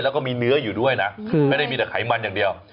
แล้วก็มีเนื้ออยู่ด้วยนะไม่ได้มีแต่ไขมันอย่างเดียว